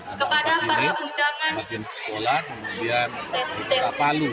atau kabupaten kini kabupaten sekolah kemudian di kepala palu